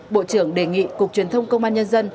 bộ trưởng đề nghị cục truyền thông công an nhân dân